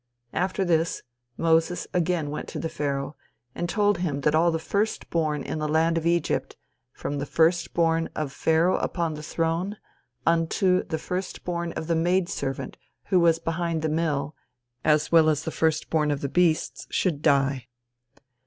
After this, Moses again went to Pharaoh and told him that all the first born in the land of Egypt, from the first born of Pharaoh upon the throne, unto the first born of the maid servant who was behind the mill, as well as the first born of beasts, should die.